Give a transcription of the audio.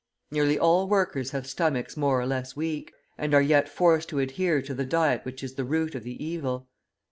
Nearly all workers have stomachs more or less weak, and are yet forced to adhere to the diet which is the root of the evil.